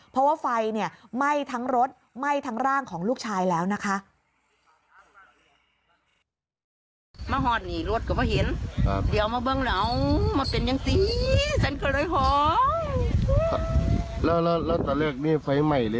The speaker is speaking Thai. เพราะว่าไฟไหม้ทั้งรถไหม้ทั้งร่างของลูกชายแล้วนะคะ